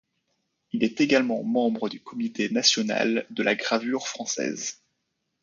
Il est également membre du Comité national de la gravure française.